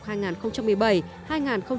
tại quốc gia trung quốc